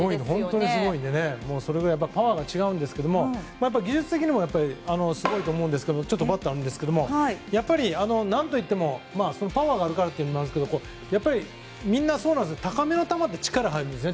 本当にすごいのでそれぐらいパワーが違うのでそして、技術的にもすごいと思いますけどバットあるんですがやっぱり何といってもパワーがあるからというのもあるんですがやっぱり、みんなそうですが高めの球って力が入るんです。